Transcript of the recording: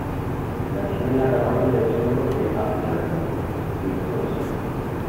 Nació en una cabaña de troncos en Appleton, Wisconsin.